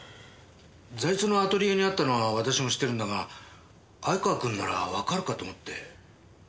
財津のアトリエにあったのは私も知ってるんだが相川君ならわかるかと思って。